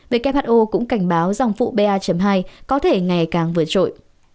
who cũng cảnh báo dòng phụ ba hai có thể ngày càng vượt trội